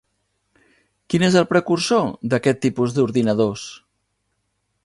Quin és el precursor d'aquest tipus d'ordinadors?